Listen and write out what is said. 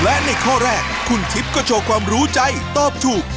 และในข้อแรกคุณทิพย์ก็โชว์ความรู้ใจตอบถูก